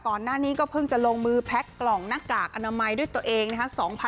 ก่อนหน้านี้ก็เพิ่งจะลงมือแพ็กกล่องหน้ากากอนามัยด้วยตัวเองนะฮะ